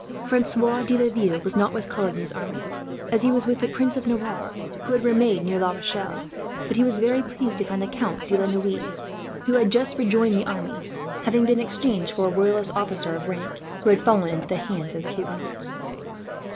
Francois de Laville was not with Coligny's army, as he was with the Prince of Navarre, who had remained near La Rochelle; but he was very pleased to find the Count de la Noue, who had just rejoined the army; having been exchanged for a Royalist officer of rank, who had fallen into the hands of the Huguenots.